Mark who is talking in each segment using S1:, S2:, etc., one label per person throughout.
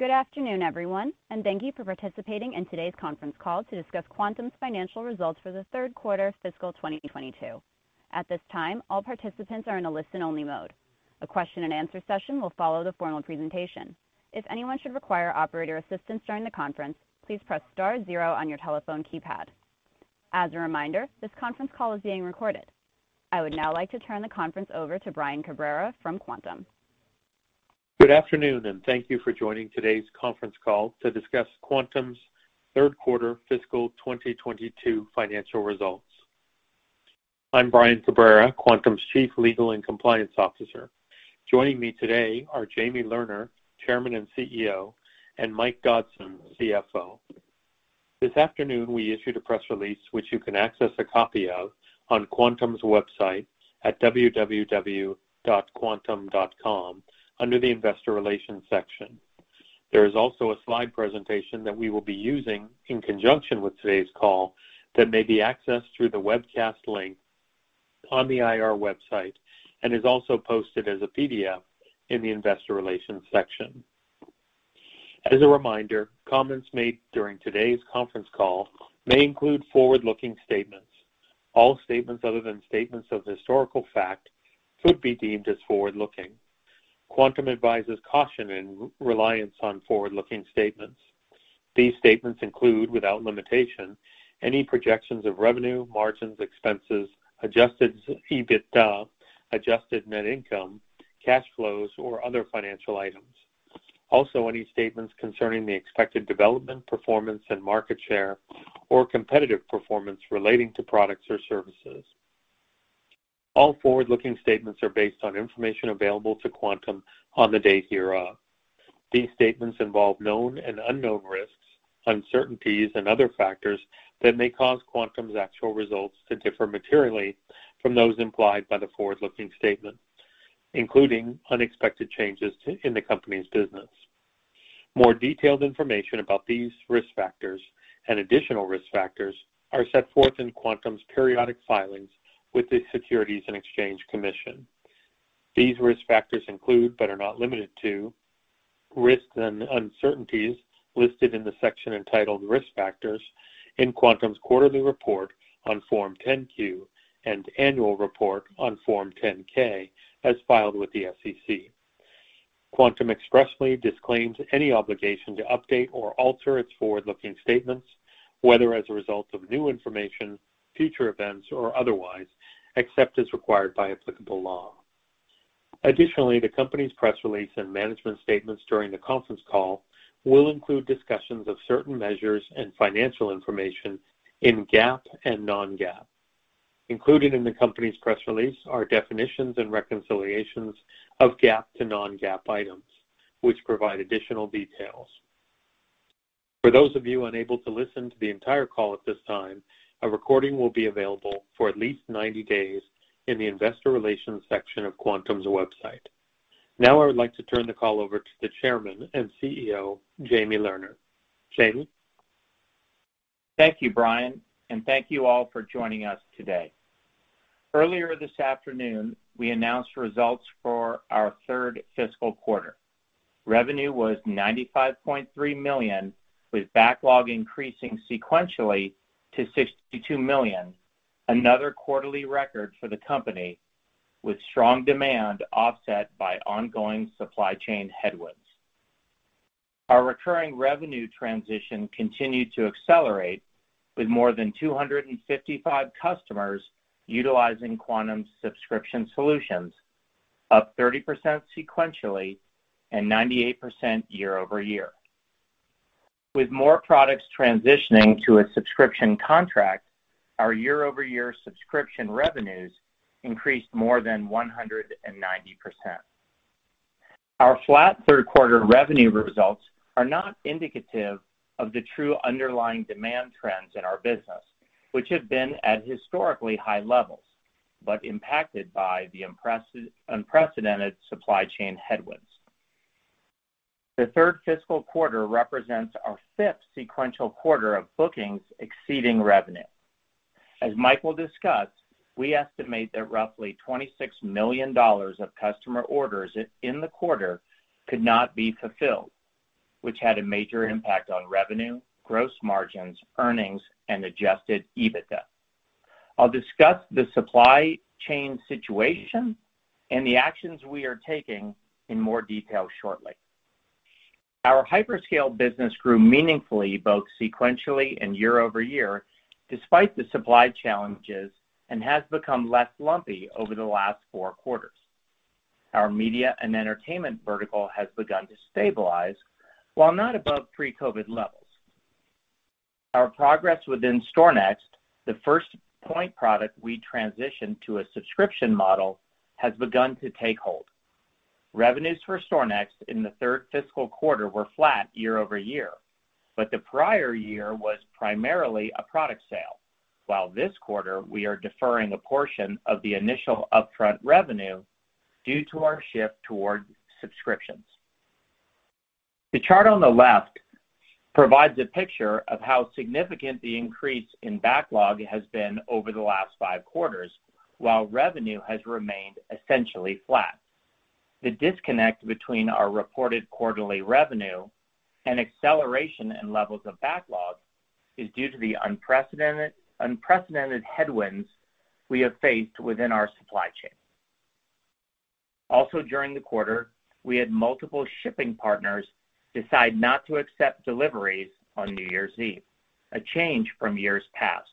S1: Good afternoon, everyone, and thank you for participating in today's conference call to discuss Quantum's financial results for the third quarter of fiscal 2022. At this time, all participants are in a listen-only mode. A question and answer session will follow the formal presentation. If anyone should require operator assistance during the conference, please press star zero on your telephone keypad. As a reminder, this conference call is being recorded. I would now like to turn the conference over to Brian Cabrera from Quantum.
S2: Good afternoon, and thank you for joining today's conference call to discuss Quantum's third quarter fiscal 2022 financial results. I'm Brian Cabrera, Quantum's Chief Legal and Compliance Officer. Joining me today are Jamie Lerner, Chairman and CEO, and Mike Dodson, CFO. This afternoon, we issued a press release which you can access a copy of on Quantum's website at www.quantum.com under the Investor Relations section. There is also a slide presentation that we will be using in conjunction with today's call that may be accessed through the webcast link on the IR website and is also posted as a PDF in the investor relations section. As a reminder, comments made during today's conference call may include forward-looking statements. All statements other than statements of historical fact could be deemed as forward-looking. Quantum advises caution in reliance on forward-looking statements. These statements include, without limitation, any projections of revenue, margins, expenses, adjusted EBITDA, adjusted net income, cash flows, or other financial items. Also, any statements concerning the expected development, performance and market share or competitive performance relating to products or services. All forward-looking statements are based on information available to Quantum on the date hereof. These statements involve known and unknown risks, uncertainties and other factors that may cause Quantum's actual results to differ materially from those implied by the forward-looking statement, including unexpected changes in the company's business. More detailed information about these risk factors and additional risk factors are set forth in Quantum's periodic filings with the Securities and Exchange Commission. These risk factors include, but are not limited to, risks and uncertainties listed in the section entitled Risk Factors in Quantum's quarterly report on Form 10-Q and annual report on Form 10-K as filed with the SEC. Quantum expressly disclaims any obligation to update or alter its forward-looking statements, whether as a result of new information, future events, or otherwise, except as required by applicable law. Additionally, the company's press release and management statements during the conference call will include discussions of certain measures and financial information in GAAP and non-GAAP. Included in the company's press release are definitions and reconciliations of GAAP to non-GAAP items, which provide additional details. For those of you unable to listen to the entire call at this time, a recording will be available for at least 90 days in the investor relations section of Quantum's website. Now I would like to turn the call over to the Chairman and CEO, Jamie Lerner. Jamie?
S3: Thank you, Brian, and thank you all for joining us today. Earlier this afternoon, we announced results for our third fiscal quarter. Revenue was $95.3 million, with backlog increasing sequentially to $62 million, another quarterly record for the company, with strong demand offset by ongoing supply chain headwinds. Our recurring revenue transition continued to accelerate with more than 255 customers utilizing Quantum's subscription solutions, up 30% sequentially and 98% year-over-year. With more products transitioning to a subscription contract, our year-over-year subscription revenues increased more than 190%. Our flat third quarter revenue results are not indicative of the true underlying demand trends in our business, which have been at historically high levels, but impacted by the unprecedented supply chain headwinds. The third fiscal quarter represents our fifth sequential quarter of bookings exceeding revenue. As Mike will discuss, we estimate that roughly $26 million of customer orders in the quarter could not be fulfilled, which had a major impact on revenue, gross margins, earnings, and adjusted EBITDA. I'll discuss the supply chain situation and the actions we are taking in more detail shortly. Our hyperscale business grew meaningfully both sequentially and year-over-year despite the supply challenges, and has become less lumpy over the last four quarters. Our media and entertainment vertical has begun to stabilize, while not above pre-COVID levels. Our progress within StorNext, the first point product we transitioned to a subscription model, has begun to take hold. Revenues for StorNext in the third fiscal quarter were flat year-over-year, but the prior year was primarily a product sale, while this quarter we are deferring a portion of the initial upfront revenue due to our shift towards subscriptions. The chart on the left provides a picture of how significant the increase in backlog has been over the last five quarters, while revenue has remained essentially flat. The disconnect between our reported quarterly revenue and acceleration in levels of backlog is due to the unprecedented headwinds we have faced within our supply chain. Also during the quarter, we had multiple shipping partners decide not to accept deliveries on New Year's Eve, a change from years past,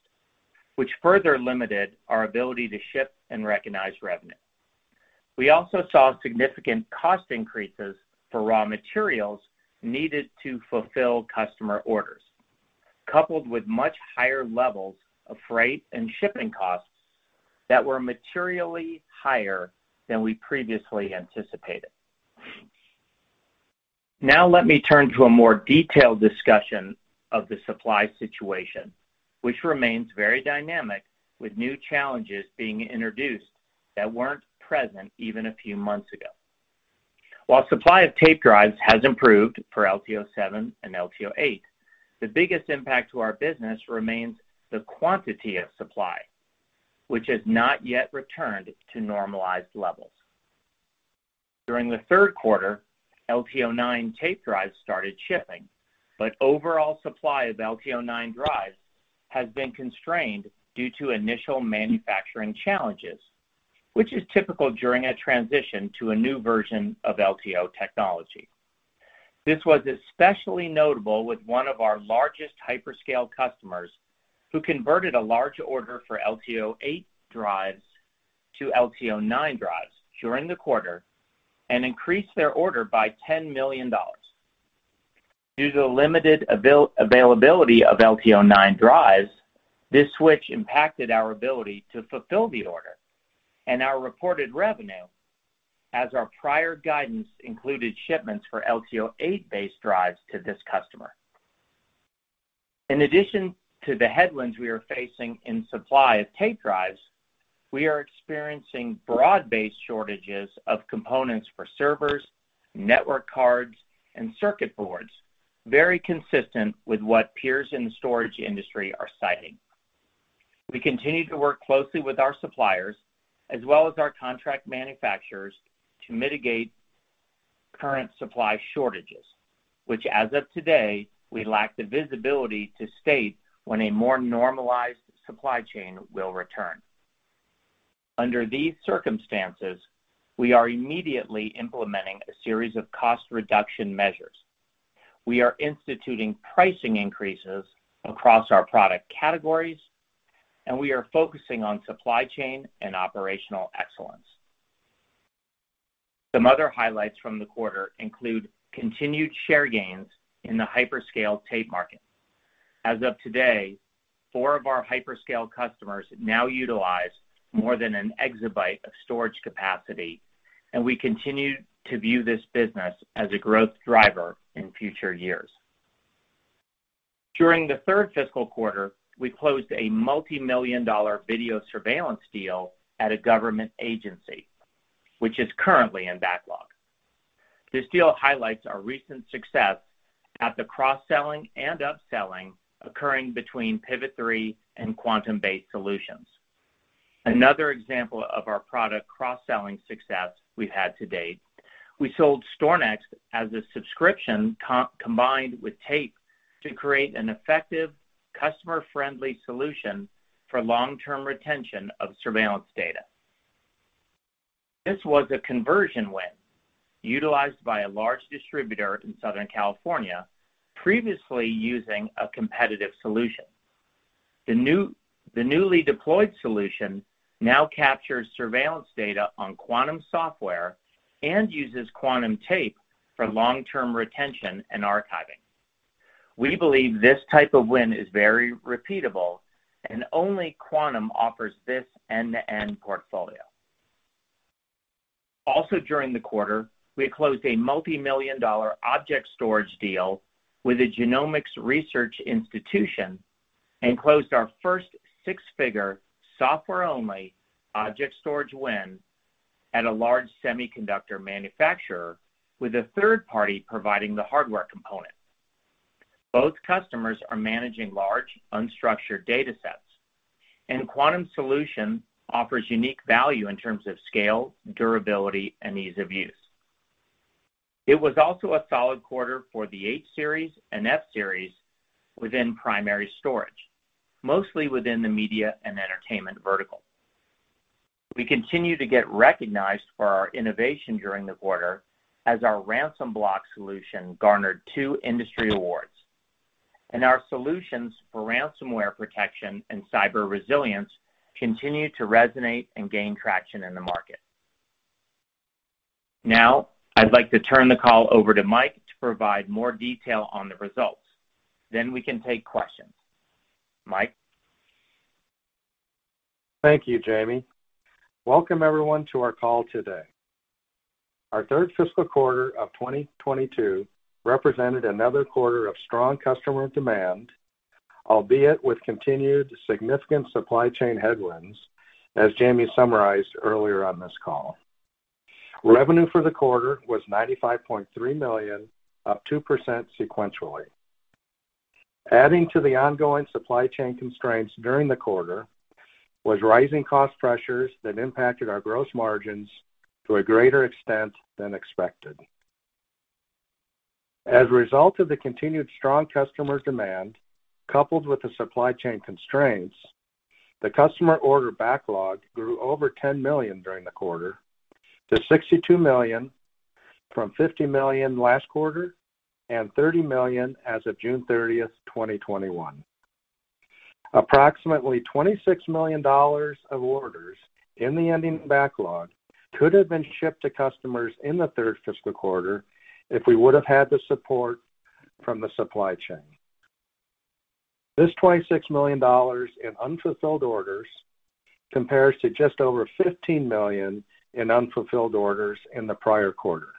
S3: which further limited our ability to ship and recognize revenue. We also saw significant cost increases for raw materials needed to fulfill customer orders, coupled with much higher levels of freight and shipping costs that were materially higher than we previously anticipated. Now let me turn to a more detailed discussion of the supply situation, which remains very dynamic, with new challenges being introduced that weren't present even a few months ago. While supply of tape drives has improved for LTO-7 and LTO-8, the biggest impact to our business remains the quantity of supply, which has not yet returned to normalized levels. During the third quarter, LTO-9 tape drives started shipping, but overall supply of LTO-9 drives has been constrained due to initial manufacturing challenges, which is typical during a transition to a new version of LTO technology. This was especially notable with one of our largest hyperscale customers who converted a large order for LTO-8 drives to LTO-9 drives during the quarter and increased their order by $10 million. Due to the limited availability of LTO-9 drives, this switch impacted our ability to fulfill the order and our reported revenue as our prior guidance included shipments for LTO-8-based drives to this customer. In addition to the headwinds we are facing in supply of tape drives, we are experiencing broad-based shortages of components for servers, network cards and circuit boards, very consistent with what peers in the storage industry are citing. We continue to work closely with our suppliers as well as our contract manufacturers to mitigate current supply shortages, which as of today, we lack the visibility to state when a more normalized supply chain will return. Under these circumstances, we are immediately implementing a series of cost reduction measures. We are instituting pricing increases across our product categories, and we are focusing on supply chain and operational excellence. Some other highlights from the quarter include continued share gains in the hyperscale tape market. As of today, four of our hyperscale customers now utilize more than an exabyte of storage capacity, and we continue to view this business as a growth driver in future years. During the third fiscal quarter, we closed a multi-million dollar video surveillance deal at a government agency, which is currently in backlog. This deal highlights our recent success at the cross-selling and upselling occurring between Pivot3 and Quantum-based solutions. Another example of our product cross-selling success we've had to date, we sold StorNext as a subscription combined with tape to create an effective, customer-friendly solution for long-term retention of surveillance data. This was a conversion win utilized by a large distributor in Southern California previously using a competitive solution. The newly deployed solution now captures surveillance data on Quantum software and uses Quantum tape for long-term retention and archiving. We believe this type of win is very repeatable and only Quantum offers this end-to-end portfolio. Also during the quarter, we closed a multi-million-dollar object storage deal with a genomics research institution and closed our first six-figure software-only object storage win at a large semiconductor manufacturer with a third party providing the hardware component. Both customers are managing large, unstructured data sets, and Quantum Solutions offers unique value in terms of scale, durability, and ease of use. It was also a solid quarter for the H-Series and F-Series within primary storage, mostly within the media and entertainment vertical. We continue to get recognized for our innovation during the quarter as our Ransom Block solution garnered two industry awards, and our solutions for ransomware protection and cyber resilience continue to resonate and gain traction in the market. Now, I'd like to turn the call over to Mike to provide more detail on the results. We can take questions. Mike.
S4: Thank you, Jamie. Welcome everyone to our call today. Our third fiscal quarter of 2022 represented another quarter of strong customer demand, albeit with continued significant supply chain headwinds, as Jamie summarized earlier on this call. Revenue for the quarter was $95.3 million, up 2% sequentially. Adding to the ongoing supply chain constraints during the quarter was rising cost pressures that impacted our gross margins to a greater extent than expected. As a result of the continued strong customer demand, coupled with the supply chain constraints, the customer order backlog grew over $10 million during the quarter to $62 million from $50 million last quarter and $30 million as of June 30th, 2021. Approximately $26 million of orders in the ending backlog could have been shipped to customers in the third fiscal quarter if we would have had the support from the supply chain. This $26 million in unfulfilled orders compares to just over $15 million in unfulfilled orders in the prior quarter.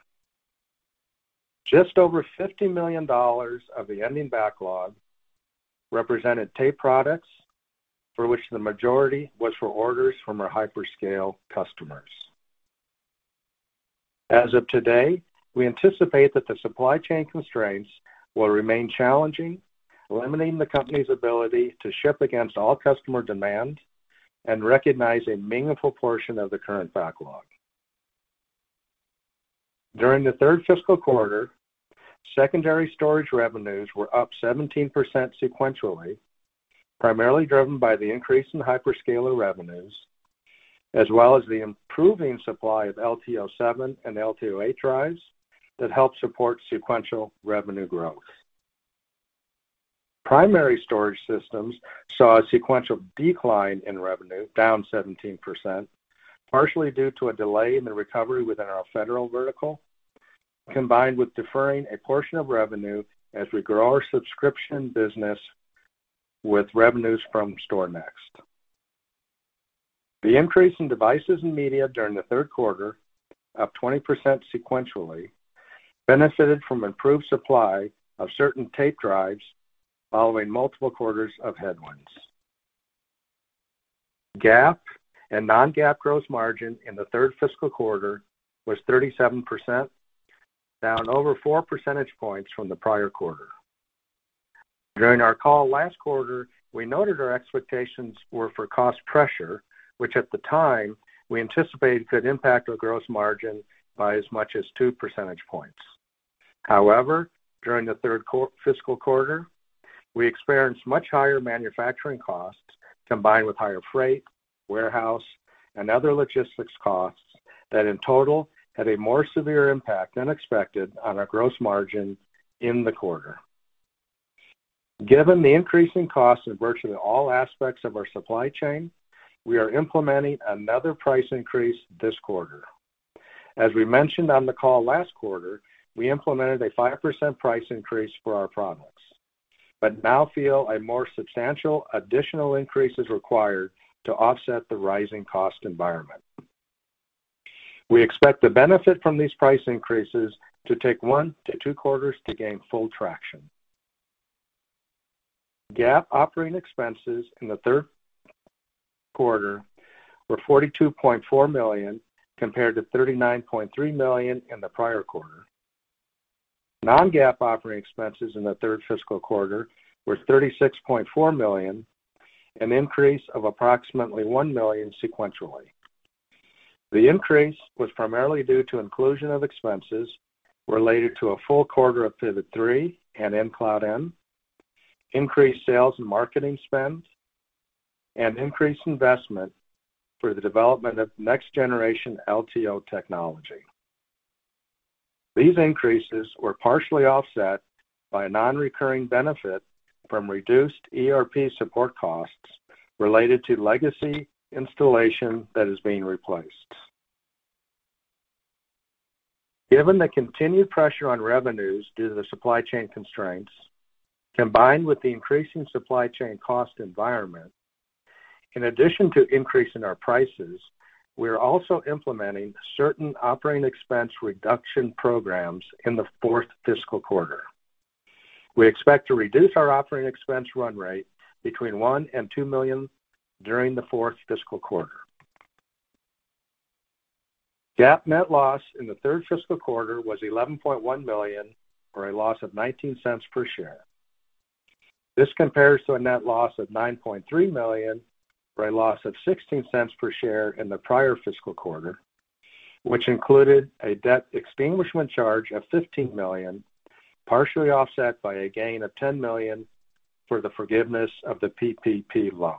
S4: Just over $50 million of the ending backlog represented tape products for which the majority was for orders from our hyperscale customers. As of today, we anticipate that the supply chain constraints will remain challenging, limiting the company's ability to ship against all customer demand and recognize a meaningful portion of the current backlog. During the third fiscal quarter, secondary storage revenues were up 17% sequentially, primarily driven by the increase in hyperscaler revenues, as well as the improving supply of LTO-7 and LTO-8 drives that help support sequential revenue growth. Primary storage systems saw a sequential decline in revenue, down 17%, partially due to a delay in the recovery within our federal vertical, combined with deferring a portion of revenue as we grow our subscription business with revenues from StorNext. The increase in devices and media during the third quarter, up 20% sequentially, benefited from improved supply of certain tape drives following multiple quarters of headwinds. GAAP and non-GAAP gross margin in the third fiscal quarter was 37%, down over 4 percentage points from the prior quarter. During our call last quarter, we noted our expectations were for cost pressure, which at the time we anticipated could impact our gross margin by as much as 2 percentage points. However, during the third fiscal quarter, we experienced much higher manufacturing costs, combined with higher freight, warehouse, and other logistics costs that, in total, had a more severe impact than expected on our gross margin in the quarter. Given the increase in costs in virtually all aspects of our supply chain, we are implementing another price increase this quarter. As we mentioned on the call last quarter, we implemented a 5% price increase for our products, but now feel a more substantial additional increase is required to offset the rising cost environment. We expect the benefit from these price increases to take one to two quarters to gain full traction. GAAP operating expenses in the third quarter were $42.4 million, compared to $39.3 million in the prior quarter. Non-GAAP operating expenses in the third fiscal quarter were $36.4 million, an increase of approximately $1 million sequentially. The increase was primarily due to inclusion of expenses related to a full quarter of Pivot3 and EnCloudEn, increased sales and marketing spend, and increased investment for the development of next generation LTO technology. These increases were partially offset by a non-recurring benefit from reduced ERP support costs related to legacy installation that is being replaced. Given the continued pressure on revenues due to the supply chain constraints, combined with the increasing supply chain cost environment, in addition to increasing our prices, we are also implementing certain operating expense reduction programs in the fourth fiscal quarter. We expect to reduce our operating expense run rate between $1 million and $2 million during the fourth fiscal quarter. GAAP net loss in the third fiscal quarter was $11.1 million, or a loss of $0.19 per share. This compares to a net loss of $9.3 million, or a loss of $0.16 per share in the prior fiscal quarter, which included a debt extinguishment charge of $15 million, partially offset by a gain of $10 million for the forgiveness of the PPP loan.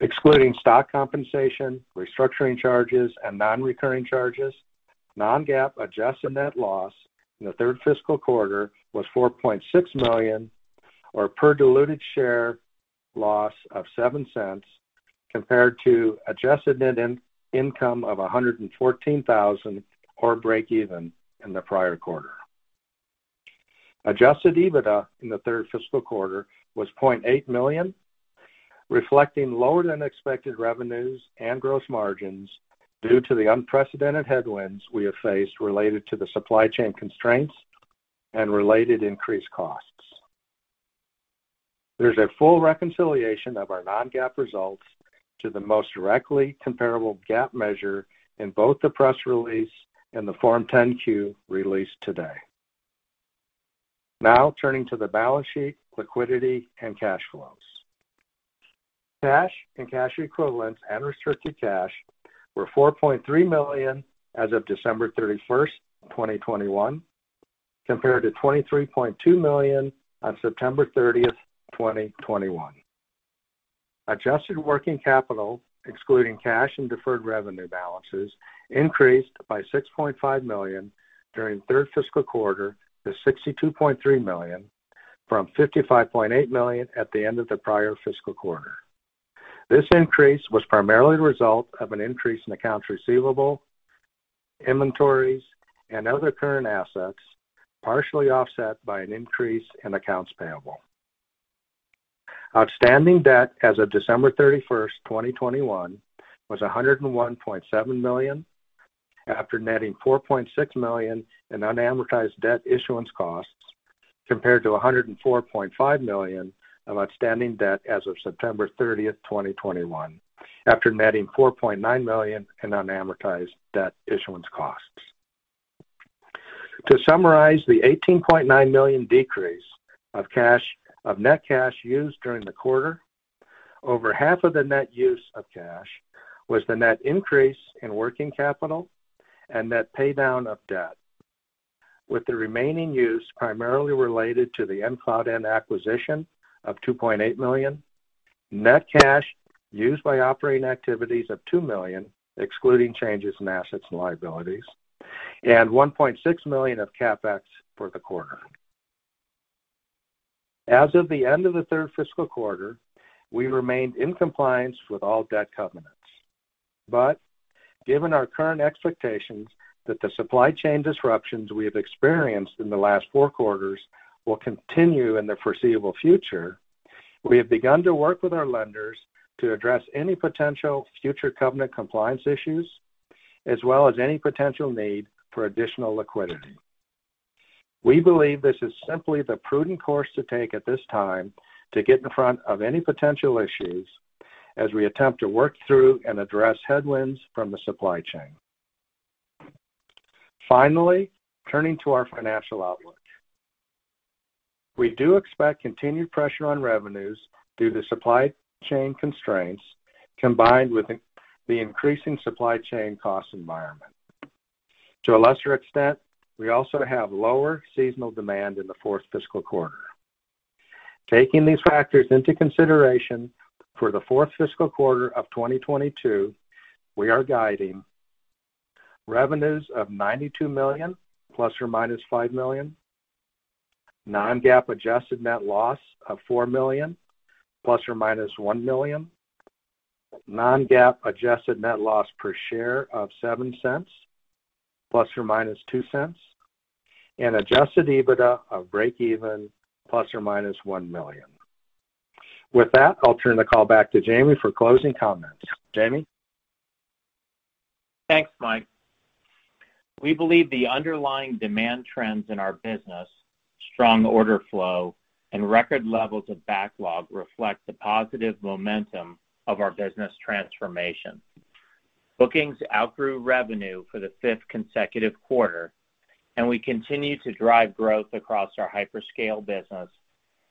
S4: Excluding stock compensation, restructuring charges, and non-recurring charges, non-GAAP adjusted net loss in the third fiscal quarter was $4.6 million, or a loss of $0.07 per diluted share, compared to adjusted net income of $114,000 or breakeven in the prior quarter. Adjusted EBITDA in the third fiscal quarter was $0.8 million, reflecting lower than expected revenues and gross margins due to the unprecedented headwinds we have faced related to the supply chain constraints and related increased costs. There's a full reconciliation of our non-GAAP results to the most directly comparable GAAP measure in both the press release and the Form 10-Q released today. Now turning to the balance sheet, liquidity, and cash flows. Cash and cash equivalents and restricted cash were $4.3 million as of December 31st, 2021, compared to $23.2 million on September 30th, 2021. Adjusted working capital, excluding cash and deferred revenue balances, increased by $6.5 million during third fiscal quarter to $62.3 million from $55.8 million at the end of the prior fiscal quarter. This increase was primarily the result of an increase in accounts receivable, inventories, and other current assets, partially offset by an increase in accounts payable. Outstanding debt as of December 31st, 2021 was $101.7 million after netting $4.6 million in unamortized debt issuance costs, compared to $104.5 million of outstanding debt as of September 30th, 2021, after netting $4.9 million in unamortized debt issuance costs. To summarize the $18.9 million decrease of net cash used during the quarter, over half of the net use of cash was the net increase in working capital and net pay down of debt, with the remaining use primarily related to the EnCloudEn acquisition of $2.8 million, net cash used by operating activities of $2 million, excluding changes in assets and liabilities, and $1.6 million of CapEx for the quarter. As of the end of the third fiscal quarter, we remained in compliance with all debt covenants. Given our current expectations that the supply chain disruptions we have experienced in the last four quarters will continue in the foreseeable future, we have begun to work with our lenders to address any potential future covenant compliance issues, as well as any potential need for additional liquidity. We believe this is simply the prudent course to take at this time to get in front of any potential issues as we attempt to work through and address headwinds from the supply chain. Finally, turning to our financial outlook. We do expect continued pressure on revenues due to supply chain constraints combined with the increasing supply chain cost environment. To a lesser extent, we also have lower seasonal demand in the fourth fiscal quarter. Taking these factors into consideration, for the fourth fiscal quarter of 2022, we are guiding revenues of $92 million, ± $5 million, non-GAAP adjusted net loss of $4 million, ± $1 million, non-GAAP adjusted net loss per share of $0.07, ± $0.02, and adjusted EBITDA of breakeven ± $1 million. With that, I'll turn the call back to Jamie for closing comments. Jamie?
S3: Thanks, Mike. We believe the underlying demand trends in our business, strong order flow, and record levels of backlog reflect the positive momentum of our business transformation. Bookings outgrew revenue for the fifth consecutive quarter, and we continue to drive growth across our hyperscale business,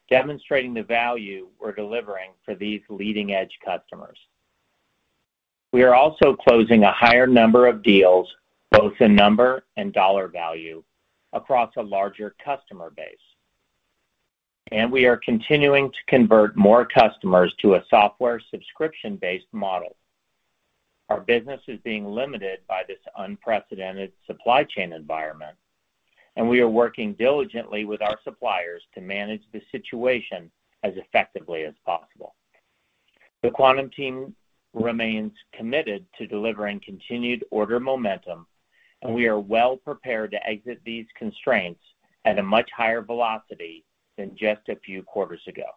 S3: demonstrating the value we're delivering for these leading-edge customers. We are also closing a higher number of deals, both in number and dollar value, across a larger customer base. We are continuing to convert more customers to a software subscription-based model. Our business is being limited by this unprecedented supply chain environment, and we are working diligently with our suppliers to manage the situation as effectively as possible. The Quantum team remains committed to delivering continued order momentum, and we are well prepared to exit these constraints at a much higher velocity than just a few quarters ago.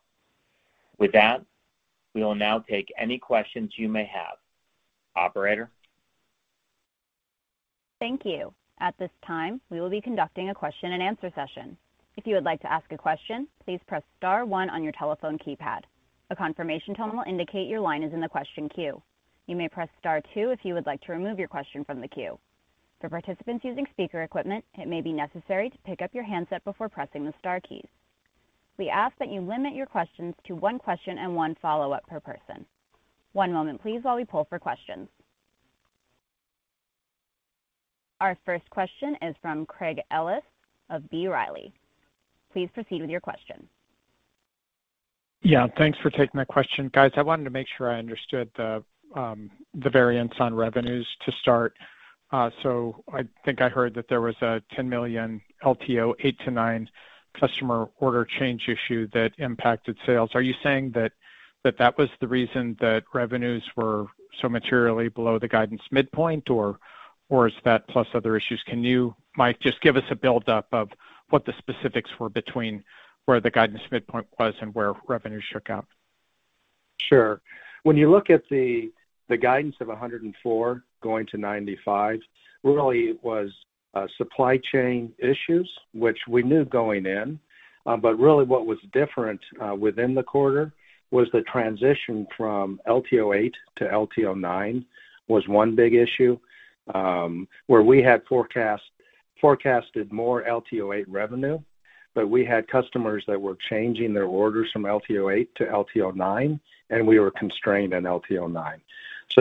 S3: With that, we will now take any questions you may have. Operator?
S1: Thank you. At this time, we will be conducting a question and answer session. If you would like to ask a question, please press star one on your telephone keypad. A confirmation tone will indicate your line is in the question queue. You may press star two if you would like to remove your question from the queue. For participants using speaker equipment, it may be necessary to pick up your handset before pressing the star keys. We ask that you limit your questions to one question and one follow-up per person. One moment please while we pull for questions. Our first question is from Craig Ellis of B. Riley. Please proceed with your question.
S5: Yeah, thanks for taking my question. Guys, I wanted to make sure I understood the variance on revenues to start. So I think I heard that there was a $10 million LTO-8 to LTO-9 customer order change issue that impacted sales. Are you saying that that was the reason that revenues were so materially below the guidance midpoint, or is that plus other issues? Can you, Mike, just give us a build-up of what the specifics were between where the guidance midpoint was and where revenues shook out?
S4: Sure. When you look at the guidance of $104-$95, really it was supply chain issues, which we knew going in. Really what was different within the quarter was the transition from LTO-8 to LTO-9 was one big issue, where we had forecasted more LTO-8 revenue, but we had customers that were changing their orders from LTO-8 to LTO-9, and we were constrained in LTO-9.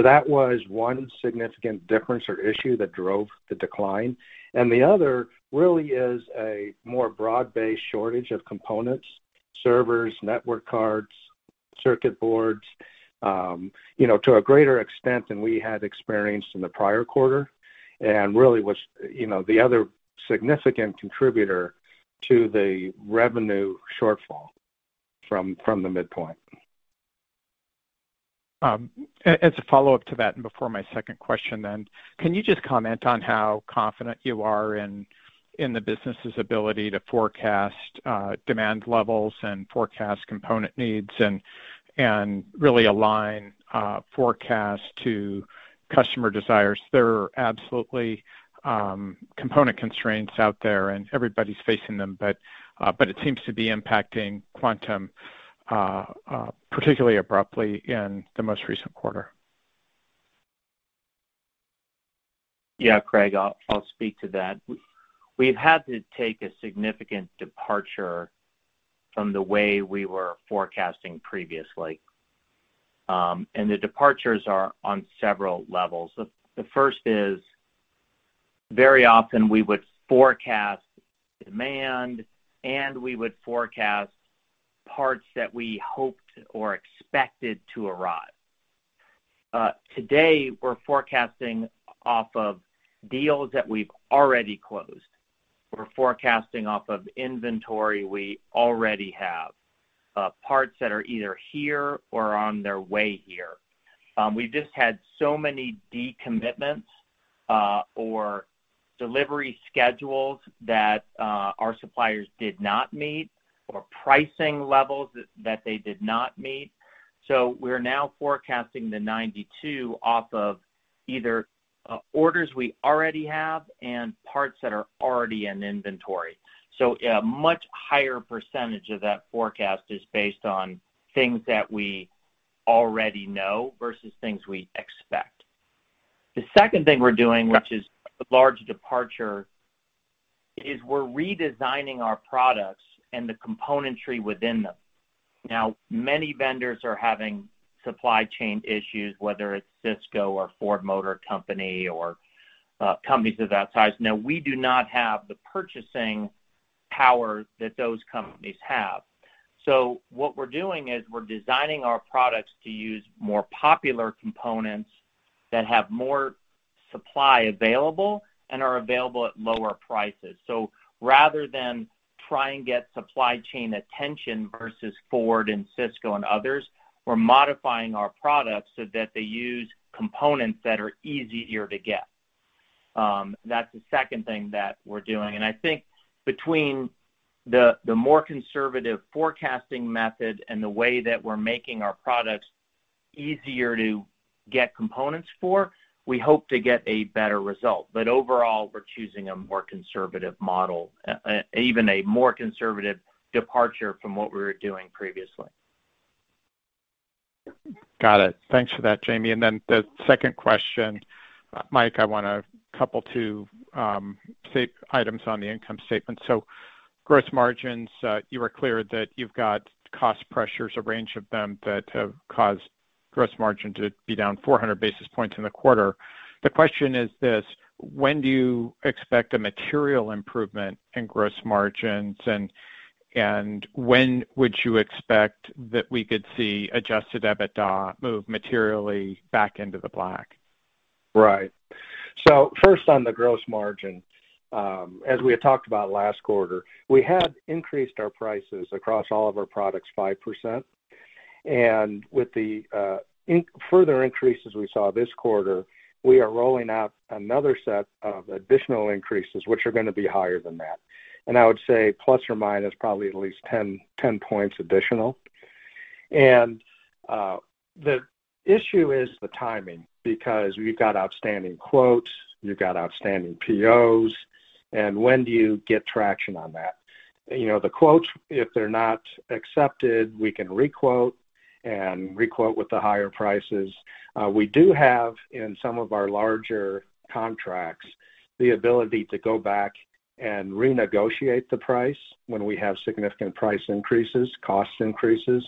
S4: That was one significant difference or issue that drove the decline. The other really is a more broad-based shortage of components, servers, network cards, circuit boards, you know, to a greater extent than we had experienced in the prior quarter. Really was, you know, the other significant contributor to the revenue shortfall from the midpoint.
S5: As a follow-up to that, and before my second question then, can you just comment on how confident you are in the business's ability to forecast demand levels and forecast component needs and really align forecast to customer desires? There are absolutely component constraints out there, and everybody's facing them, but it seems to be impacting Quantum particularly abruptly in the most recent quarter.
S3: Yeah, Craig, I'll speak to that. We've had to take a significant departure from the way we were forecasting previously. The departures are on several levels. The first is very often we would forecast demand, and we would forecast parts that we hoped or expected to arrive. Today we're forecasting off of deals that we've already closed. We're forecasting off of inventory we already have, parts that are either here or on their way here. We've just had so many decommitments, or delivery schedules that our suppliers did not meet or pricing levels that they did not meet. We're now forecasting the 92 off of either orders we already have and parts that are already in inventory. A much higher percentage of that forecast is based on things that we already know versus things we expect. The second thing we're doing, which is a large departure, is we're redesigning our products and the componentry within them. Now, many vendors are having supply chain issues, whether it's Cisco or Ford Motor Company or companies of that size. Now, we do not have the purchasing power that those companies have. What we're doing is we're designing our products to use more popular components that have more supply available and are available at lower prices. Rather than try and get supply chain attention versus Ford and Cisco and others, we're modifying our products so that they use components that are easier to get. That's the second thing that we're doing. I think between the more conservative forecasting method and the way that we're making our products easier to get components for, we hope to get a better result. Overall, we're choosing a more conservative model, even a more conservative departure from what we were doing previously.
S5: Got it. Thanks for that, Jamie. The second question, Mike, I want two items on the income statement. Gross margins, you were clear that you've got cost pressures, a range of them that have caused gross margin to be down 400 basis points in the quarter. The question is this: When do you expect a material improvement in gross margins? When would you expect that we could see adjusted EBITDA move materially back into the black?
S4: Right. First on the gross margin, as we had talked about last quarter, we had increased our prices across all of our products 5%. With the further increases we saw this quarter, we are rolling out another set of additional increases, which are gonna be higher than that. I would say plus or minus probably at least 10 points additional. The issue is the timing, because you've got outstanding quotes, you've got outstanding POs, and when do you get traction on that? You know, the quotes, if they're not accepted, we can re-quote and re-quote with the higher prices. We do have, in some of our larger contracts, the ability to go back and renegotiate the price when we have significant price increases, cost increases.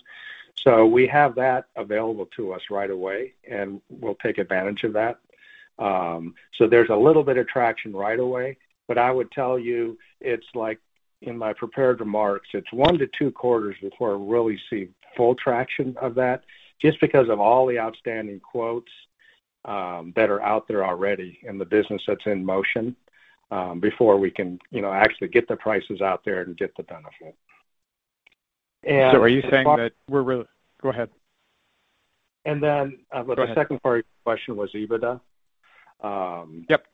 S4: We have that available to us right away, and we'll take advantage of that. There's a little bit of traction right away, but I would tell you it's like in my prepared remarks, it's one quarters-two quarters before I really see full traction of that, just because of all the outstanding quotes that are out there already and the business that's in motion before we can, you know, actually get the prices out there and get the benefit.
S5: Are you saying that we're really? Go ahead.
S4: And then-
S5: Go ahead.
S4: the second part of your question was EBITDA?
S5: Yep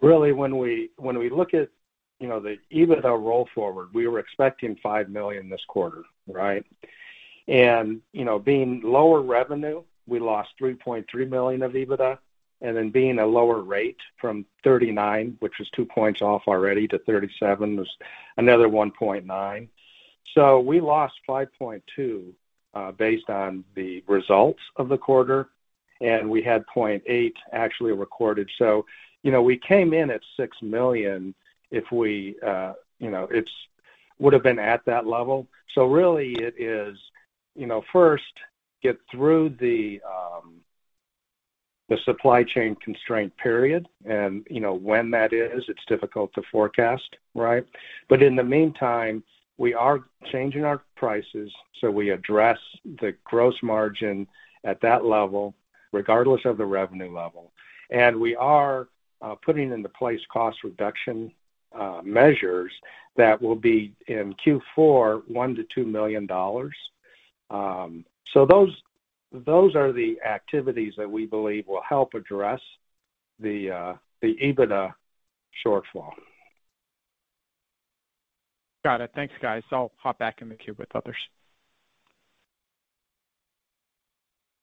S4: Really, when we look at, you know, the EBITDA roll forward, we were expecting $5 million this quarter, right? You know, being lower revenue, we lost $3.3 million of EBITDA. Being a lower rate from 39%, which was 2 points off already to 37%, was another $1.9 million. We lost $5.2 million based on the results of the quarter, and we had $0.8 million actually recorded. You know, we came in at $6 million if we, you know, it would have been at that level. Really it is, you know, first get through the the supply chain constraint period. You know, when that is, it's difficult to forecast, right? In the meantime, we are changing our prices, so we address the gross margin at that level regardless of the revenue level. We are putting into place cost reduction measures that will be in Q4, $1 million-$2 million. Those are the activities that we believe will help address the EBITDA shortfall.
S5: Got it. Thanks, guys. I'll hop back in the queue with others.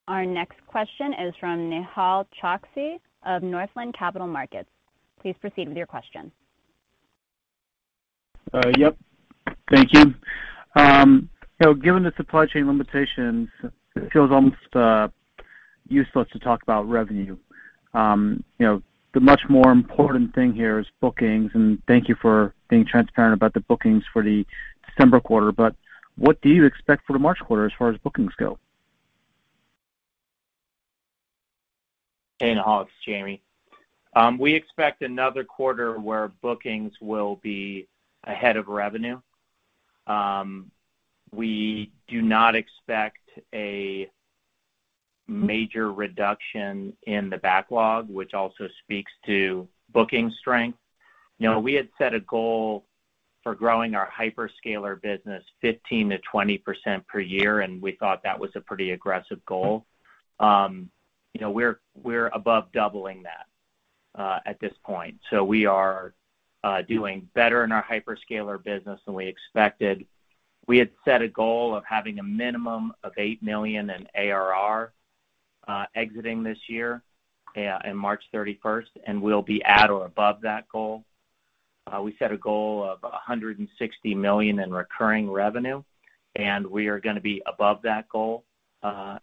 S1: Our next question is from Nehal Chokshi of Northland Capital Markets. Please proceed with your question.
S6: Yep. Thank you. So given the supply chain limitations, it feels almost useless to talk about revenue. You know, the much more important thing here is bookings, and thank you for being transparent about the bookings for the December quarter. What do you expect for the March quarter as far as bookings go?
S3: Hey, Nehal. It's Jamie. We expect another quarter where bookings will be ahead of revenue. We do not expect a major reduction in the backlog, which also speaks to booking strength. You know, we had set a goal for growing our hyperscaler business 15%-20% per year, and we thought that was a pretty aggressive goal. You know, we're above doubling that at this point. We are doing better in our hyperscaler business than we expected. We had set a goal of having a minimum of $8 million in ARR exiting this year in March 31st, and we'll be at or above that goal. We set a goal of $160 million in recurring revenue, and we are gonna be above that goal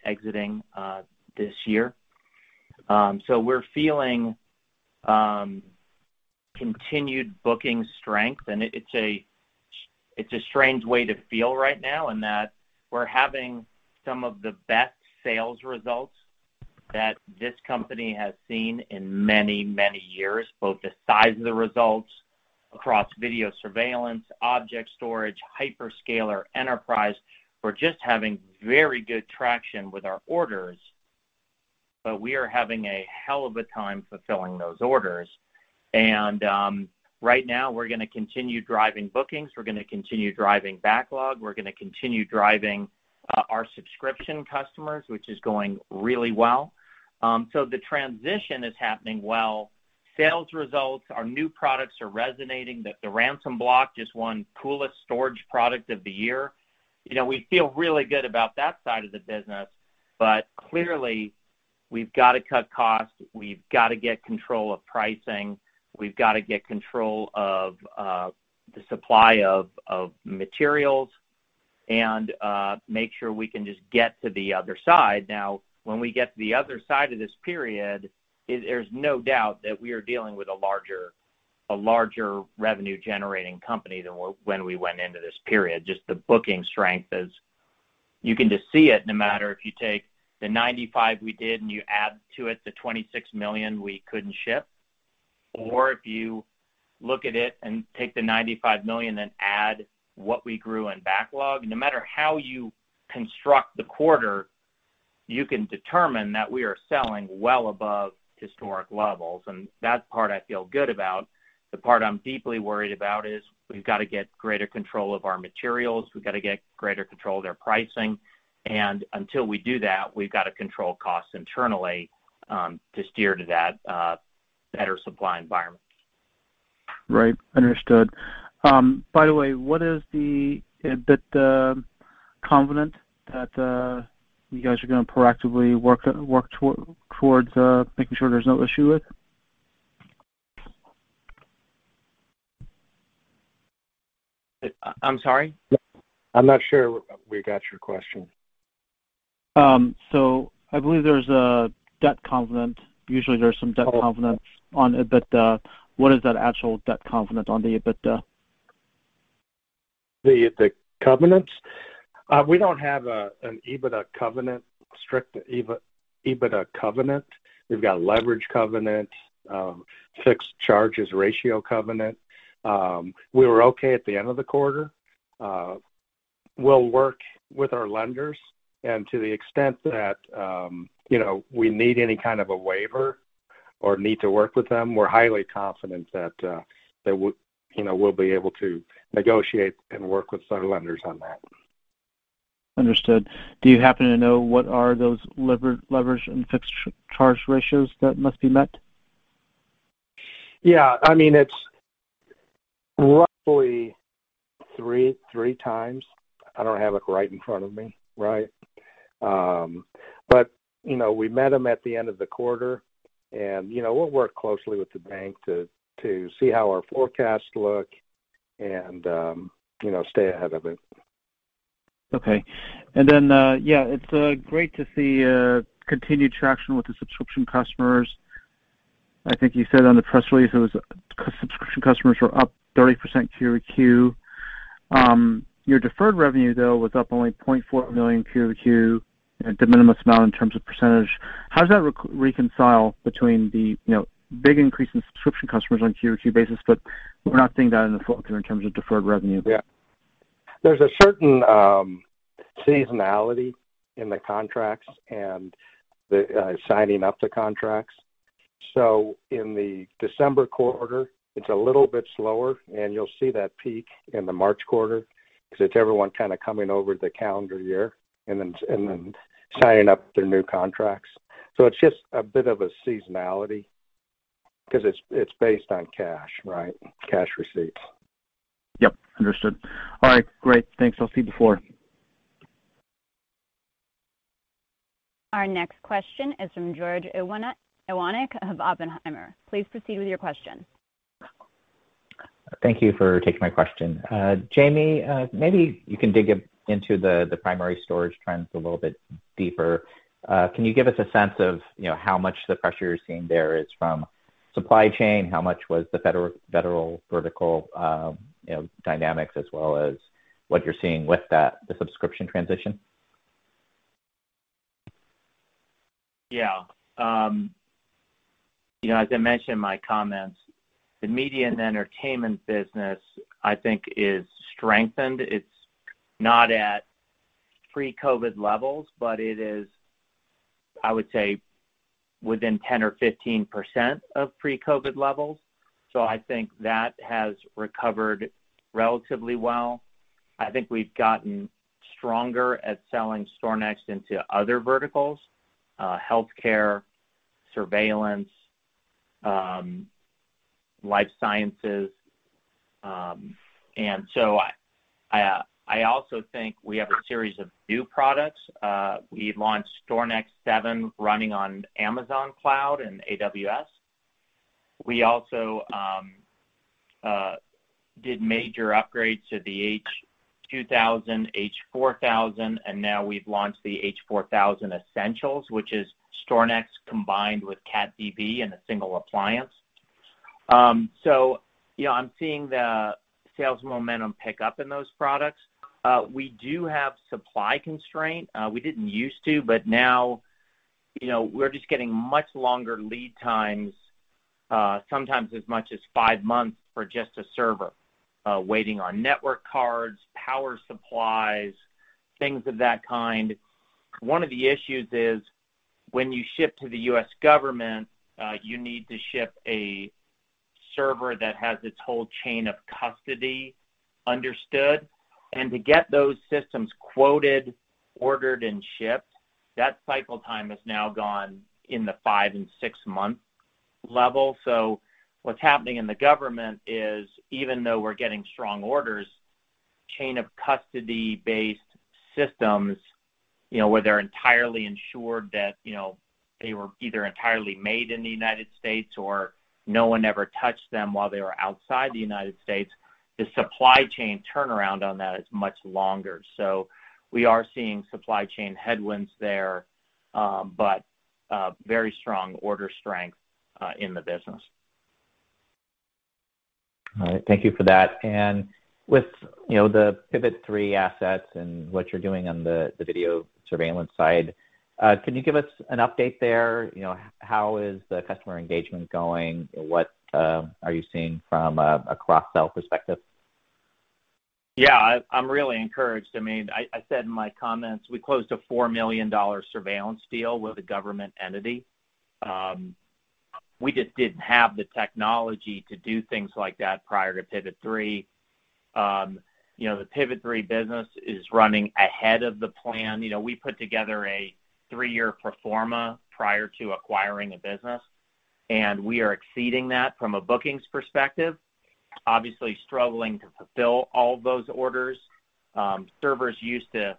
S3: exiting this year. We're feeling continued booking strength, and it's a strange way to feel right now, and that we're having some of the best sales results that this company has seen in many, many years, both the size of the results across video surveillance, object storage, hyperscaler enterprise. We're just having very good traction with our orders, but we are having a hell of a time fulfilling those orders. Right now we're gonna continue driving bookings. We're gonna continue driving backlog. We're gonna continue driving our subscription customers, which is going really well. The transition is happening well. Sales results, our new products are resonating. The Ransom Block just won coolest storage product of the year. You know, we feel really good about that side of the business, but clearly we've got to cut costs, we've got to get control of pricing, we've got to get control of the supply of materials and make sure we can just get to the other side. Now, when we get to the other side of this period, there's no doubt that we are dealing with a larger revenue-generating company than when we went into this period. Just the booking strength is. You can just see it no matter if you take the $95 million we did and you add to it the $26 million we couldn't ship, or if you look at it and take the $95 million and add what we grew in backlog. No matter how you construct the quarter, you can determine that we are selling well above historic levels, and that part I feel good about. The part I'm deeply worried about is we've got to get greater control of our materials. We've got to get greater control of their pricing. Until we do that, we've got to control costs internally, to steer to that, better supply environment.
S6: Right. Understood. By the way, what is the EBITDA covenant that you guys are gonna proactively work towards making sure there's no issue with?
S3: I'm sorry?
S4: I'm not sure we got your question.
S6: I believe there's a debt covenant. Usually there's some debt covenants.
S4: Oh.
S6: on EBITDA. What is that actual debt covenant on the EBITDA?
S4: The covenants? We don't have an EBITDA covenant, strict EBITDA covenant. We've got leverage covenant, fixed charges ratio covenant. We were okay at the end of the quarter. We'll work with our lenders and to the extent that, you know, we need any kind of a waiver or need to work with them, we're highly confident that, you know, we'll be able to negotiate and work with our lenders on that.
S6: Understood. Do you happen to know what are those leverage and fixed charge ratios that must be met?
S4: Yeah. I mean, it's roughly three times. I don't have it right in front of me, right? You know, we met them at the end of the quarter and you know, we'll work closely with the bank to see how our forecasts look and you know, stay ahead of it.
S6: Okay. It's great to see continued traction with the subscription customers. I think you said on the press release it was subscription customers were up 30% QoQ. Your deferred revenue, though, was up only $0.4 million QoQ at de minimis amount in terms of percentage. How does that reconcile between the, you know, big increase in subscription customers on QoQ basis, but we're not seeing that in the full figure in terms of deferred revenue?
S4: Yeah. There's a certain seasonality in the contracts and the signing up the contracts. In the December quarter, it's a little bit slower, and you'll see that peak in the March quarter because it's everyone kind of coming over the calendar year and then signing up their new contracts. It's just a bit of a seasonality because it's based on cash, right? Cash receipts.
S6: Yep, understood. All right, great. Thanks. I'll see you the floor.
S1: Our next question is from George Iwanyc of Oppenheimer. Please proceed with your question.
S7: Thank you for taking my question. Jamie, maybe you can dig up into the primary storage trends a little bit deeper. Can you give us a sense of, you know, how much the pressure you're seeing there is from supply chain? How much was the federal vertical, you know, dynamics as well as what you're seeing with the subscription transition?
S3: Yeah. You know, as I mentioned in my comments, the media and entertainment business, I think is strengthened. It's not at pre-COVID levels, but it is, I would say within 10 or 15% of pre-COVID levels. I think that has recovered relatively well. I think we've gotten stronger at selling StorNext into other verticals, healthcare, surveillance, life sciences. I also think we have a series of new products. We launched StorNext 7 running on Amazon Cloud and AWS. We also did major upgrades to the H2000, H4000, and now we've launched the H4000 Essential, which is StorNext combined with CatDV in a single appliance. Yeah, I'm seeing the sales momentum pick up in those products. We do have supply constraint. We didn't use to, but now, you know, we're just getting much longer lead times, sometimes as much as five months for just a server, waiting on network cards, power supplies, things of that kind. One of the issues is when you ship to the U.S. government, you need to ship a server that has its whole chain of custody understood. To get those systems quoted, ordered, and shipped, that cycle time has now gone in the five- and six-month level. What's happening in the government is, even though we're getting strong orders, chain-of-custody-based systems, you know, where they're entirely ensured that, you know, they were either entirely made in the United States or no one ever touched them while they were outside the United States, the supply chain turnaround on that is much longer. We are seeing supply chain headwinds there, but very strong order strength in the business.
S7: All right. Thank you for that. With, you know, the Pivot3 assets and what you're doing on the video surveillance side, can you give us an update there? You know, how is the customer engagement going? What are you seeing from a cross-sell perspective?
S3: Yeah. I'm really encouraged. I mean, I said in my comments, we closed a $4 million surveillance deal with a government entity. We just didn't have the technology to do things like that prior to Pivot3. You know, the Pivot3 business is running ahead of the plan. You know, we put together a three-year pro forma prior to acquiring a business, and we are exceeding that from a bookings perspective, obviously struggling to fulfill all those orders. Servers used to,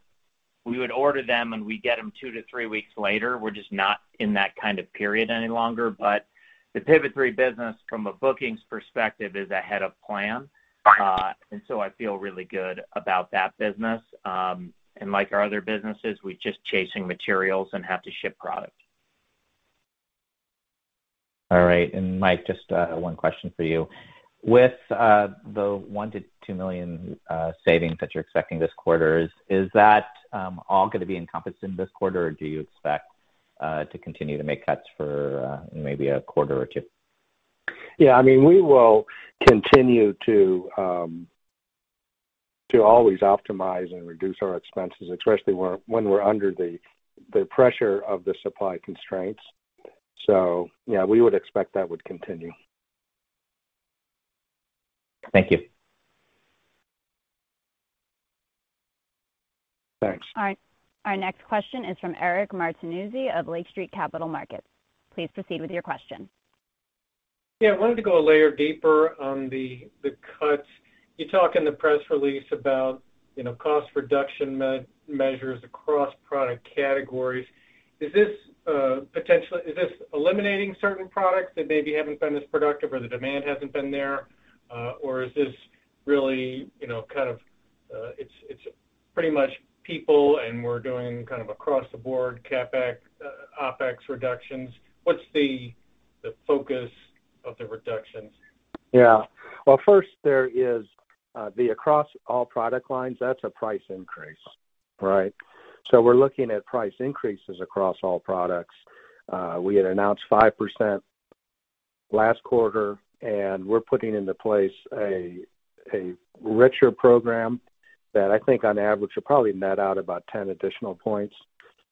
S3: we would order them, and we get them two weeks-three weeks later. We're just not in that kind of period any longer. The Pivot3 business from a bookings perspective is ahead of plan. I feel really good about that business. Like our other businesses, we're just chasing materials and have to ship product.
S7: All right. Mike, just one question for you. With the $1 million-$2 million savings that you're expecting this quarter, is that all gonna be encompassed in this quarter, or do you expect to continue to make cuts for maybe a quarter or two?
S4: Yeah. I mean, we will continue to always optimize and reduce our expenses, especially when we're under the pressure of the supply constraints. Yeah, we would expect that would continue.
S7: Thank you.
S4: Thanks.
S1: All right. Our next question is from Eric Martinuzzi of Lake Street Capital Markets. Please proceed with your question.
S8: Yeah. I wanted to go a layer deeper on the cuts. You talk in the press release about, you know, cost reduction measures across product categories. Is this potentially eliminating certain products that maybe haven't been as productive or the demand hasn't been there? Or is this really, you know, kind of, it's pretty much people, and we're doing kind of across the board CapEx, OpEx reductions. What's the focus of the reductions?
S4: Yeah. Well, first there is the across all product lines, that's a price increase, right? We're looking at price increases across all products. We had announced 5% last quarter, and we're putting into place a richer program that I think on average will probably net out about 10 additional points.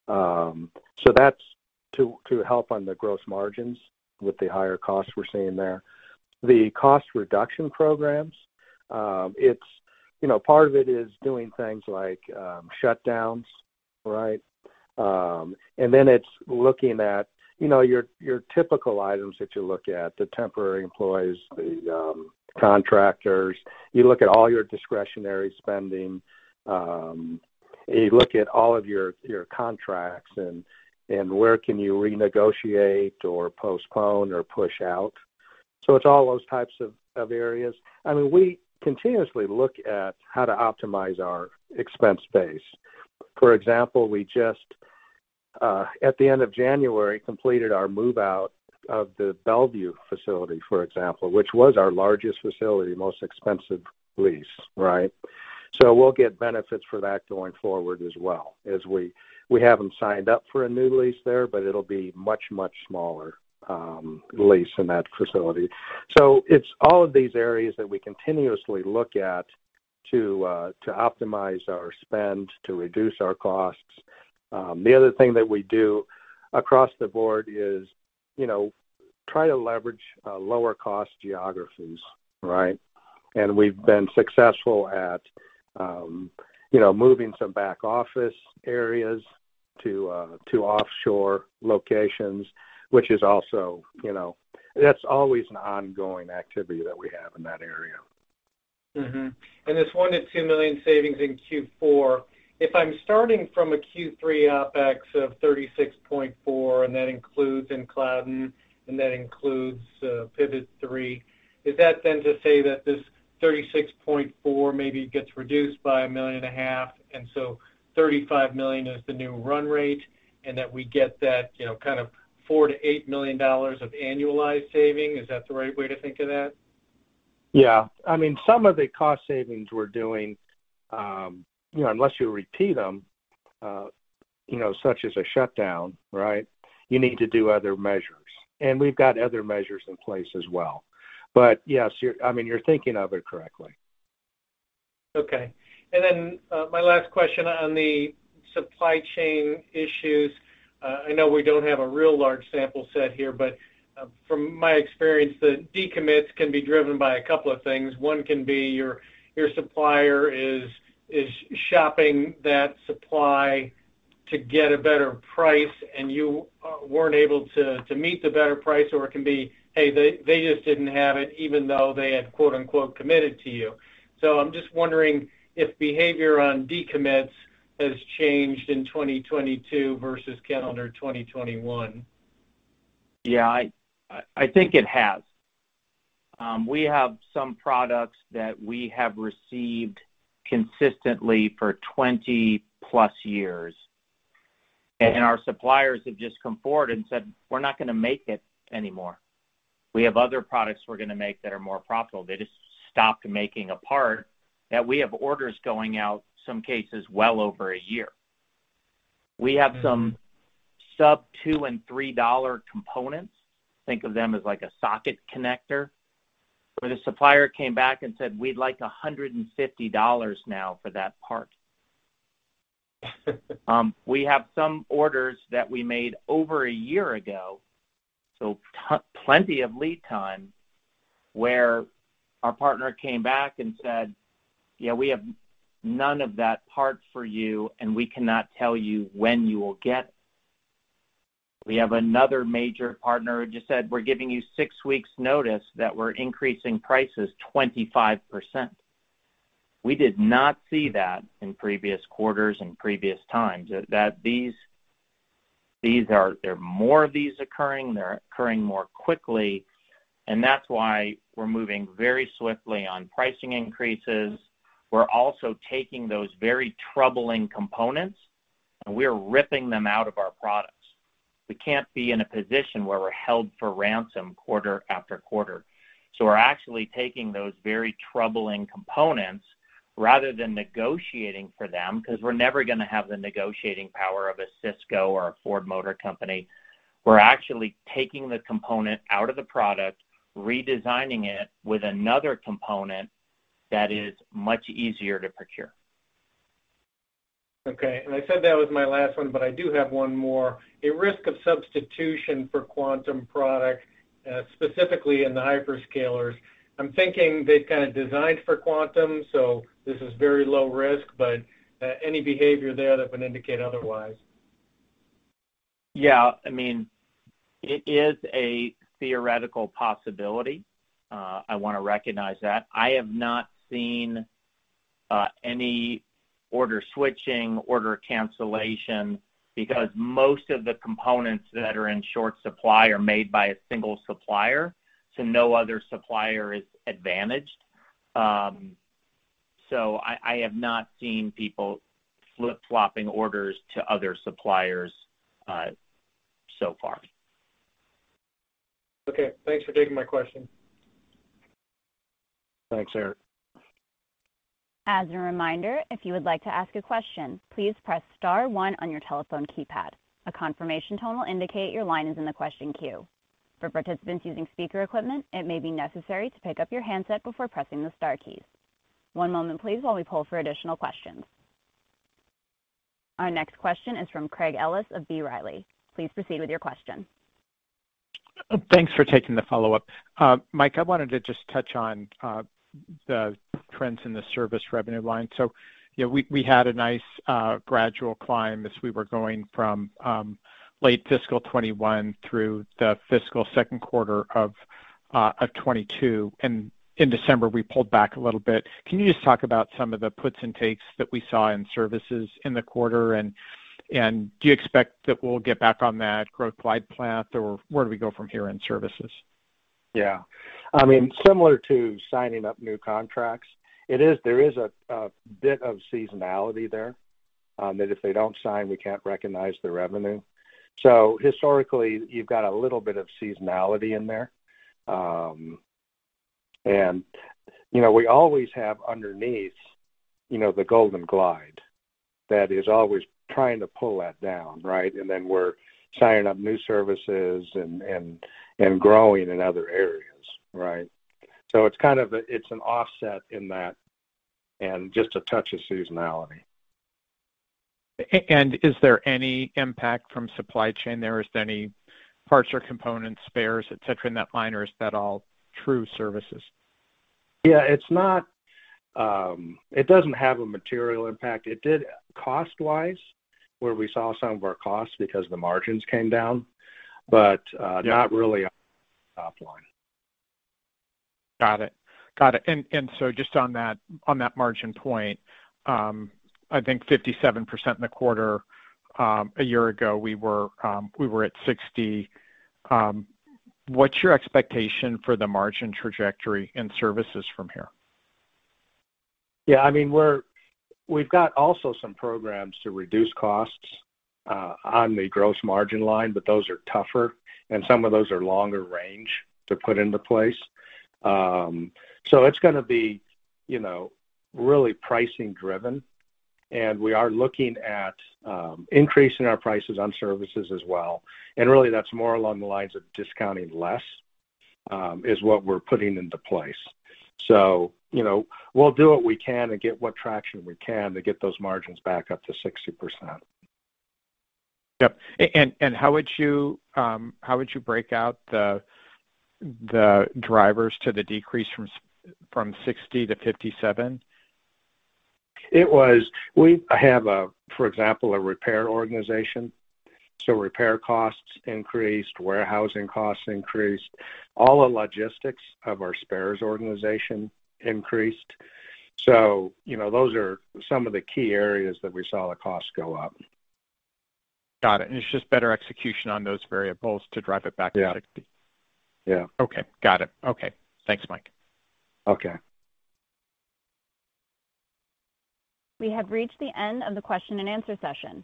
S4: That's to help on the gross margins with the higher costs we're seeing there. The cost reduction programs. You know, part of it is doing things like shutdowns, right? And then it's looking at, you know, your typical items that you look at, the temporary employees, the contractors. You look at all your discretionary spending. You look at all of your contracts and where can you renegotiate or postpone or push out. It's all those types of areas. I mean, we continuously look at how to optimize our expense base. For example, we just at the end of January completed our move-out of the Bellevue facility, for example, which was our largest facility, most expensive lease, right? We'll get benefits for that going forward as well. As we haven't signed up for a new lease there, but it'll be much, much smaller lease in that facility. It's all of these areas that we continuously look at to optimize our spend, to reduce our costs. The other thing that we do across the board is, you know, try to leverage lower cost geographies, right? We've been successful at, you know, moving some back office areas to offshore locations, which is also, you know, that's always an ongoing activity that we have in that area.
S8: This $1 million-$2 million savings in Q4, if I'm starting from a Q3 OpEx of $36.4 million, and that includes EnCloudEn and that includes, Pivot3, is that then to say that this $36.4 million maybe gets reduced by $1.5 million, so $35 million is the new run rate, and that we get that, you know, kind of $4 million-$8 million of annualized saving? Is that the right way to think of that?
S4: Yeah. I mean, some of the cost savings we're doing, you know, unless you repeat them, you know, such as a shutdown, right, you need to do other measures. We've got other measures in place as well. Yes, I mean, you're thinking of it correctly.
S8: Okay. My last question on the supply chain issues. I know we don't have a real large sample set here, but from my experience, the decommits can be driven by a couple of things. One can be your supplier is shopping that supply to get a better price, and you weren't able to meet the better price. Or it can be, hey, they just didn't have it, even though they had, quote-unquote, committed to you. I'm just wondering if behavior on decommits has changed in 2022 versus calendar 2021.
S3: Yeah. I think it has. We have some products that we have received consistently for 20+ years, and our suppliers have just come forward and said, "We're not gonna make it anymore. We have other products we're gonna make that are more profitable." They just stopped making a part that we have orders going out, some cases well over a year. We have some sub-$2 and $3-dollar components, think of them as like a socket connector, where the supplier came back and said, We'd like $150 now for that part. We have some orders that we made over a year ago, so plenty of lead time, where our partner came back and said, Yeah, we have none of that part for you, and we cannot tell you when you will get it. We have another major partner who just said, We're giving you six weeks notice that we're increasing prices 25%. We did not see that in previous quarters and previous times. That these are. There are more of these occurring, they're occurring more quickly, and that's why we're moving very swiftly on pricing increases. We're also taking those very troubling components, and we are ripping them out of our products. We can't be in a position where we're held for ransom quarter-after-quarter. We're actually taking those very troubling components rather than negotiating for them, 'cause we're never gonna have the negotiating power of a Cisco or a Ford Motor Company. We're actually taking the component out of the product, redesigning it with another component that is much easier to procure.
S8: Okay. I said that was my last one, but I do have one more. A risk of substitution for Quantum product, specifically in the hyperscalers. I'm thinking they've kinda designed for Quantum, so this is very low risk, but, any behavior there that would indicate otherwise?
S3: Yeah. I mean, it is a theoretical possibility. I wanna recognize that. I have not seen any order switching, order cancellation because most of the components that are in short supply are made by a single supplier, so no other supplier is advantaged. I have not seen people flip-flopping orders to other suppliers so far.
S8: Okay. Thanks for taking my question.
S4: Thanks, Eric.
S1: As a reminder, if you would like to ask a question, please press star one on your telephone keypad. A confirmation tone will indicate your line is in the question queue. For participants using speaker equipment, it may be necessary to pick up your handset before pressing the star keys. One moment please while we poll for additional questions. Our next question is from Craig Ellis of B. Riley. Please proceed with your question.
S5: Thanks for taking the follow-up. Mike, I wanted to just touch on the trends in the service revenue line. You know, we had a nice gradual climb as we were going from late fiscal 2021 through the fiscal second quarter of 2022, and in December, we pulled back a little bit. Can you just talk about some of the puts and takes that we saw in services in the quarter and do you expect that we'll get back on that growth glide path, or where do we go from here in services?
S4: Yeah. I mean, similar to signing up new contracts, there is a bit of seasonality there that if they don't sign, we can't recognize the revenue. Historically, you've got a little bit of seasonality in there. You know, we always have underneath, you know, the golden glide that is always trying to pull that down, right? Then we're signing up new services and growing in other areas, right? It's kind of an offset in that and just a touch of seasonality.
S5: Is there any impact from supply chain there? Is there any parts or components, spares, et cetera, in that line, or is that all true services?
S4: It doesn't have a material impact. It did, cost-wise, where we saw some of our costs because the margins came down.
S5: Yeah.
S4: Not really a top line.
S5: Got it. Just on that margin point, I think 57% in the quarter, a year ago we were at 60%. What's your expectation for the margin trajectory in services from here?
S4: Yeah. I mean, we've got also some programs to reduce costs on the gross margin line, but those are tougher, and some of those are longer range to put into place. It's gonna be, you know, really pricing driven, and we are looking at increasing our prices on services as well. Really, that's more along the lines of discounting less is what we're putting into place. You know, we'll do what we can and get what traction we can to get those margins back up to 60%.
S5: Yep. How would you break out the drivers to the decrease from 60% to 57%?
S4: We have a, for example, a repair organization, so repair costs increased, warehousing costs increased. All the logistics of our spares organization increased. You know, those are some of the key areas that we saw the costs go up.
S5: Got it. It's just better execution on those variables to drive it back to 60%.
S4: Yeah. Yeah.
S5: Okay. Got it. Okay. Thanks, Mike.
S4: Okay.
S1: We have reached the end of the question and answer session.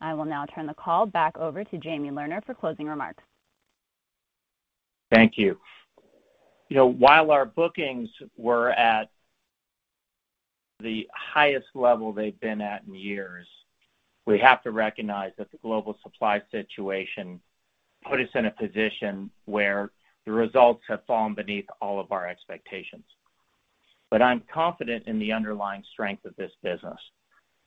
S1: I will now turn the call back over to Jamie Lerner for closing remarks.
S3: Thank you. You know, while our bookings were at the highest level they've been at in years, we have to recognize that the global supply situation put us in a position where the results have fallen beneath all of our expectations. I'm confident in the underlying strength of this business.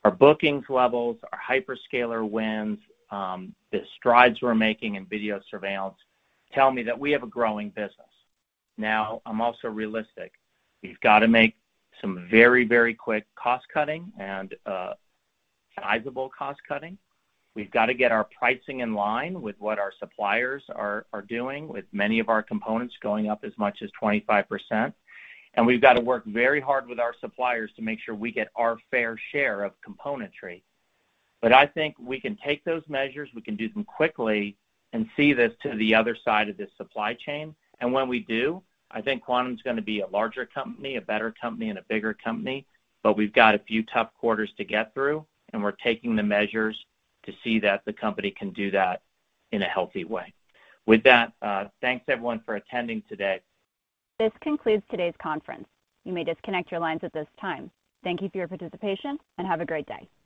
S3: Our bookings levels, our hyperscaler wins, the strides we're making in video surveillance tell me that we have a growing business. Now, I'm also realistic. We've got to make some very, very quick cost-cutting and sizable cost-cutting. We've got to get our pricing in line with what our suppliers are doing with many of our components going up as much as 25%. We've got to work very hard with our suppliers to make sure we get our fair share of componentry. I think we can take those measures, we can do them quickly, and see this to the other side of this supply chain. When we do, I think Quantum's gonna be a larger company, a better company, and a bigger company. We've got a few tough quarters to get through, and we're taking the measures to see that the company can do that in a healthy way. With that, thanks everyone for attending today.
S1: This concludes today's conference. You may disconnect your lines at this time. Thank you for your participation, and have a great day.